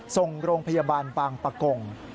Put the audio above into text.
ส่งโรงพยาบาลบางปะกง